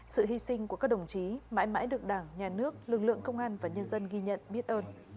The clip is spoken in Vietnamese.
sự hy sinh của các đồng chí mãi mãi được đảng nhà nước lực lượng công an và nhân dân ghi nhận biết ơn